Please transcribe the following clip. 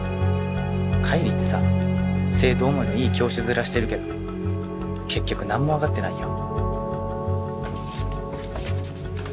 海里ってさ生徒思いのいい教師面してるけど結局何も分かってないよ。